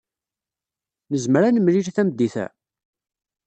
Nezmer ad nemlil tameddit-a?